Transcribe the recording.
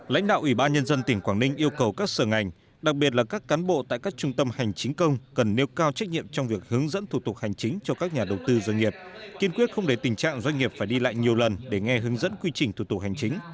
lãnh đạo ủy ban nhân dân tỉnh quảng ninh yêu cầu các sở ngành đặc biệt là các cán bộ tại các trung tâm hành chính công cần nêu cao trách nhiệm trong việc hướng dẫn thủ tục hành chính cho các nhà đầu tư doanh nghiệp kiên quyết không để tình trạng doanh nghiệp phải đi lại nhiều lần để nghe hướng dẫn quy trình thủ tục hành chính